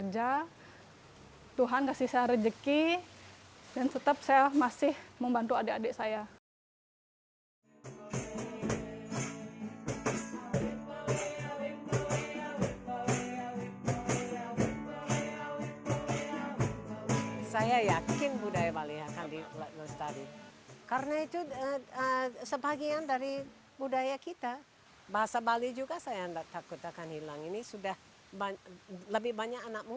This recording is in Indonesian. juga ke koleganya